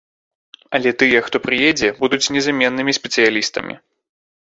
Але тыя, хто прыедзе, будуць незаменнымі спецыялістамі.